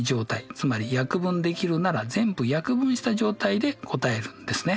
つまり約分できるなら全部約分した状態で答えるんですね。